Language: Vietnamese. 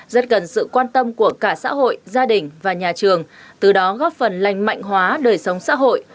rất cần sự quan tâm của cả xã hội gia đình và nhà trường từ đó góp phần lành mạnh hóa đời sống xã hội